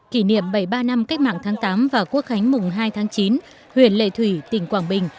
kỷ niệm bảy mươi ba năm cách mạng tháng tám và quốc khánh mùng hai tháng chín huyện lệ thủy tỉnh quảng bình